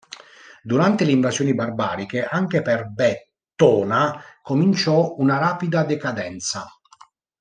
Durante le invasioni barbariche anche per Bettona cominciò una rapida decadenza.